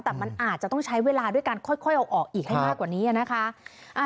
แต่มันอาจจะต้องใช้เวลาด้วยการค่อยเอาออกอีกให้มากกว่านี้นะคะ